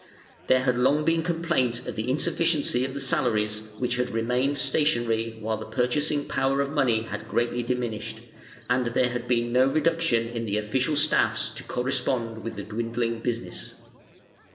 There had long been complaint of the insufficiency of the salaries, which had remained stationary while the purchasing power of money had greatly diminished, and there had been no reduction in the official staffs to correspond with the dwindling business.